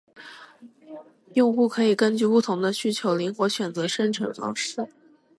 用户可以根据不同的需求灵活选择生成方式